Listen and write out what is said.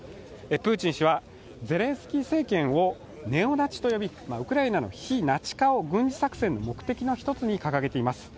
プーチン氏はゼレンスキー政権をネオナチと呼び、ウクライナの非ナチ化を軍事作戦の目的の一つに掲げています。